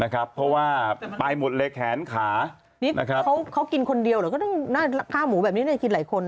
นะครับเพราะว่าปลายหมดเลยแขนขานี่เขากินคนเดียวหรอก็น่าข้าวหมูแบบนี้น่าจะกินหลายคนนะ